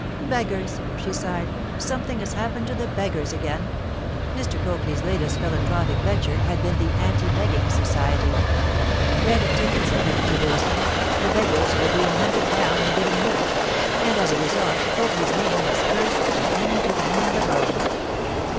'Beggars,' she sighed. 'Something has happened to the beggars again.' Mr. Copley's latest philanthropic venture had been the 'Anti Begging Society.' Bread tickets had been introduced, the beggars were being hunted down and given work, and as a result Copley's name was cursed from end to end of Rome.